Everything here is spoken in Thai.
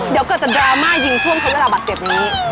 เดี๋ยวเกิดจะดราม่ายิงช่วงเครื่องเวลาบัตรเสกนี้